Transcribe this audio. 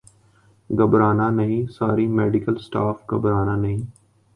گھبرا نہ نہیں ساری میڈیکل سٹاف گھبرانہ نہیں